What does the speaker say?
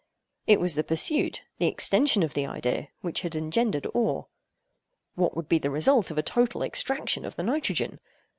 It was the pursuit, the extension of the idea, which had engendered awe. What would be the result of a total extraction of the nitrogen?